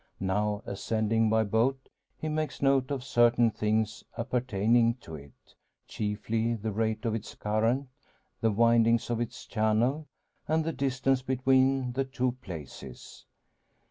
Now, ascending by boat, he makes note of certain things appertaining to it chiefly, the rate of its current, the windings of its channel, and the distance between the two places.